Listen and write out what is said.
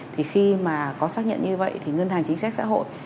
thì khi mà có xác nhận như vậy thì ngân hàng chính sách xã hội